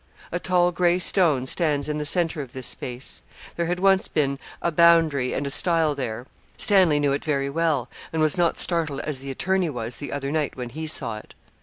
A tall gray stone stands in the centre of this space. There had once been a boundary and a stile there. Stanley knew it very well, and was not startled as the attorney was the other night when he saw it.